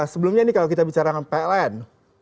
sebelumnya nih kalau kita bicara dengan pln